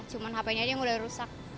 cuman hp nya ini udah rusak